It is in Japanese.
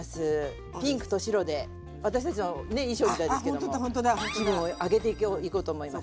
ピンクと白で私たちのね衣装みたいですけども気分をアゲていこうと思います。